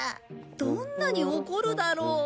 どんなに怒るだろう。